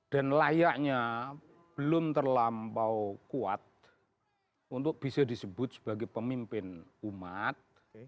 dan layaknya belum terlampau kuat untuk bisa disebut sebagai pemimpin umat